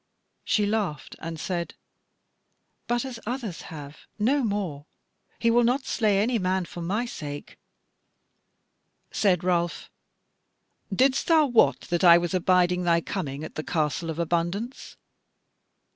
She laughed and said: "But as others have, no more: he will not slay any man for my sake." Said Ralph: "Didst thou wot that I was abiding thy coming at the Castle of Abundance?"